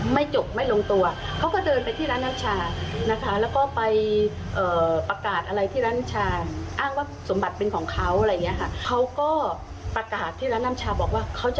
คือหวัดครัวหนึ่งตอนที่ถูกบิบคอที่ตอนที่ไล่ออกมาจากบ้านแล้ว